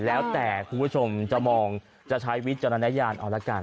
แล้วแต่คุณผู้ชมจะมองจะใช้วิจารณญาณเอาละกัน